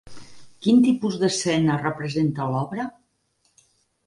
Quin tipus d'escena representa l'obra?